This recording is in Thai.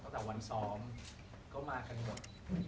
แต่เขายื่มมือกันมา